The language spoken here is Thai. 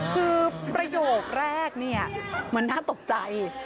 คือประโยคแรกเนี่ยมันน่าตกใจ